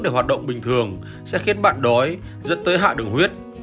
để hoạt động bình thường sẽ khiến bạn đói dẫn tới hạ đường huyết